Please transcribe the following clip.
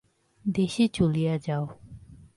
দেশে চলিয়া যাও।